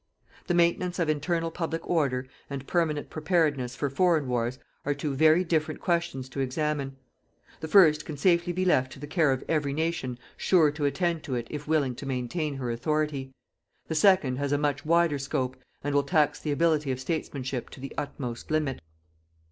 The maintenance of internal public order, and permanent preparedness for foreign wars, are two very different questions to examine. The first can safely be left to the care of every nation sure to attend to it if willing to maintain her authority. The second has a much wider scope and will tax the ability of statesmanship to the utmost limit.